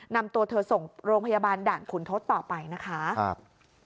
นำตัวเธอส่งโรงพยาบาลด่านขุนทศต่อไปนะคะครับ